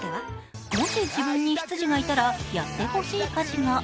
もし自分に執事がいたらやってほしい家事が。